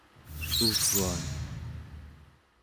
uguan'